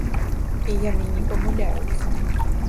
І яны не памыляюцца.